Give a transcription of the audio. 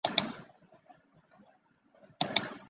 谨慎管理社团内贴文